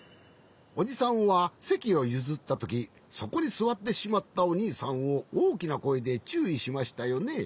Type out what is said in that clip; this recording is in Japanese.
おじさんはせきをゆずったときそこにすわってしまったおにいさんをおおきなこえでちゅういしましたよね？